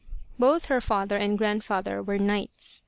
Both her father and grandfather were knights.